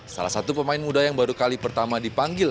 salah satu pemain muda yang baru kali pertama dipanggil